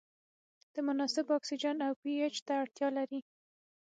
د مناسب اکسیجن او پي اچ ته اړتیا لري.